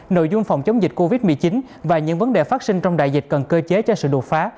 nội dung phòng chống dịch covid một mươi chín và những vấn đề phát sinh trong đại dịch cần cơ chế cho sự đột phá